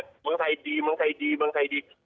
เมืองไทยดีเมืองไทยดีเมืองไทยดี